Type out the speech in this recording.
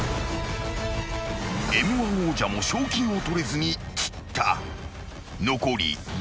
［Ｍ−１王者も賞金を取れずに散った］